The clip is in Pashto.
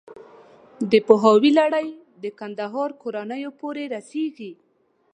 د پوهاوي لړۍ د کندهار کورنیو پورې ورسېږي.